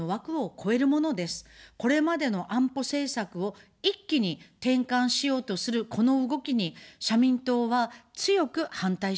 これまでの安保政策を一気に転換しようとするこの動きに、社民党は強く反対します。